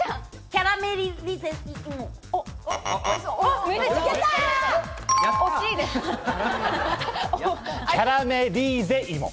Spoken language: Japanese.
キャラメリゼ芋。